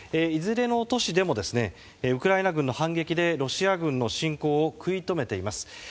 いずれの都市でもウクライナ軍の反撃でロシア軍の侵攻を食い止めています。